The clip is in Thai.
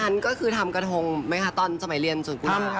คันก็คือทำกระทงไหมคะตอนสมัยเรียนจนที่